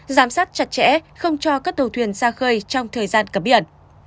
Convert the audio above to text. giám sát chặt chẽ không cho các tàu thuyền xa khơi trong thời gian cấm biển